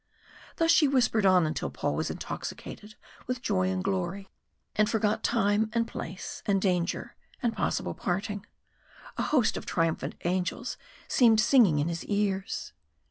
Thus she whispered on until Paul was intoxicated with joy and glory, and forgot time and place and danger and possible parting. A host of triumphant angels seemed singing in his ears.